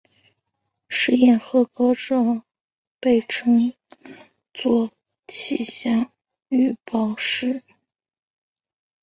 试验合格者被称作气象预报士。